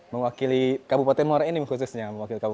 memwakili kabupaten muara enim khususnya